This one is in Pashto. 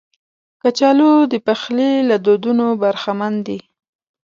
کچالو د پخلي له دودونو برخمن دي